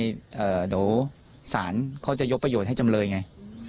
เดี๋ยวสารเขาจะยกประโยชน์ให้จำเลยไง